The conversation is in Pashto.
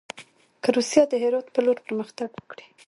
که روسیه د هرات پر لور پرمختګ وکړي.